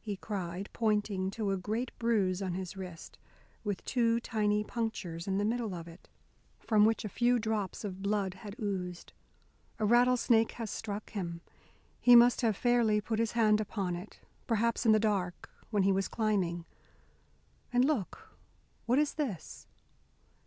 he cried, pointing to a great bruise on his wrist, with two tiny punctures in the middle of it from which a few drops of blood had oozed, "a rattlesnake has struck him. He must have fairly put his hand upon it, perhaps in the dark, when he was climbing. And, look, what is this?"